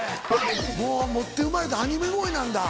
もう持って生まれたアニメ声なんだ。